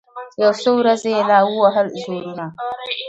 یو څو ورځي یې لا ووهل زورونه